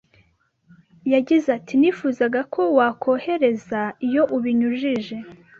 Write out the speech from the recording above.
yagize ati: "Nifuzaga ko wakohereza iyo ubinyujije.